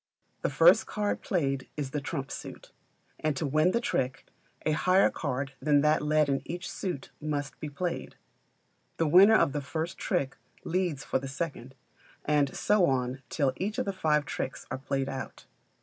The first card played is the trump suit; and to win the trick, a higher card than that led in each suit must be played. The winner of the first trick leads for the second, and so on till each of the five tricks are played out.